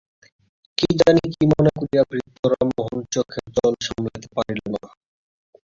কী জানি কী মনে করিয়া বৃদ্ধ রামমোহন চোখের জল সামলাইতে পারিল না।